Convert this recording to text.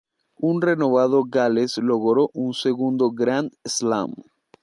Un renovado Gales logró su segundo Grand Slam.